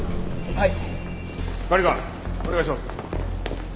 はい。